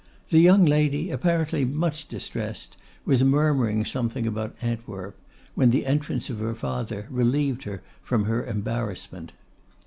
The young lady, apparently much distressed, was murmuring something about Antwerp, when the entrance of her father relieved her from her embarrassment.